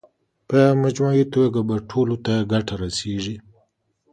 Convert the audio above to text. په مجموعي توګه به ټولو ته ګټه رسېږي.